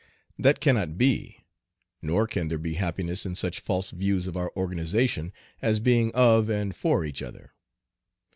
That cannot be, nor can there be happiness in such false views of our organization as being of and for each other.